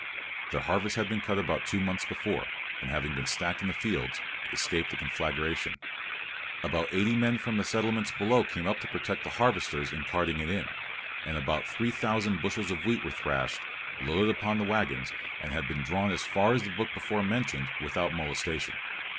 Their harvest had been cut about two months before, and having been stacked in the fields, escaped the conflagration. About eighty men from the settlements below came up to protect the harvesters in carting it in, and about three thousand bushels of wheat were thrashed, loaded upon the waggons, and had been drawn as far as the brook before mentioned without molestation.